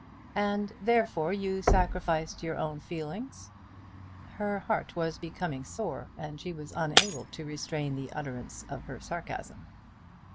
"And therefore you sacrificed your own feelings." Her heart was becoming sore, and she was unable to restrain the utterance of her sarcasm.